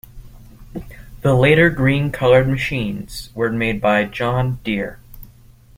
The later green colored machines were made by John Deere.